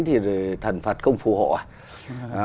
thì thần phật không phù hộ à